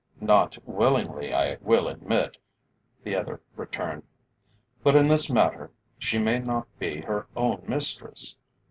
"Not willingly, I will admit," the other returned; "but in this matter she may not be her own mistress.